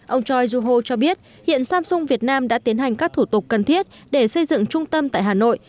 ông choi joo ho cho biết hiện samsung việt nam đã tiến hành các thủ tục cần thiết để xây dựng trung tâm tại hà nội